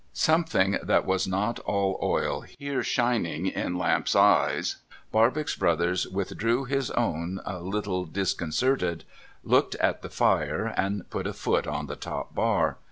Something that was not all oil here shining in Lamps's eye, Barbox Brothers withdrew his own a little disconcerted, looked at the fire, and put a foot on the top bar.